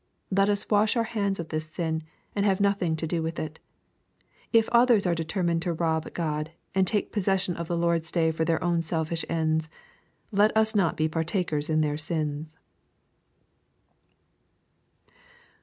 Let us wash our hands of this sin, and have nothing to do with it. If others are determined to rob God, and take possession of the Lord's day for their own selfish ends, let us not be partakers in their sins.